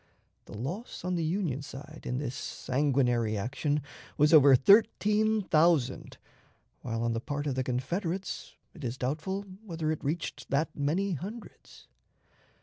The loss on the Union side in this sanguinary action was over thirteen thousand, while on the part of the Confederates it is doubtful whether it reached that many hundreds.'